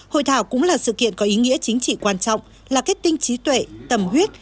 hội thảo cũng là sự kiện có ý nghĩa chính trị quan trọng là kết tinh trí tuệ tầm huyết